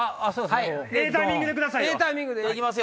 ええタイミングでくださいよ。